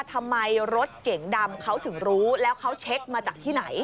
ทำไมรถเก่งดำเขาถึงรู้แล้วเขาเช็คมาจากที่ไหน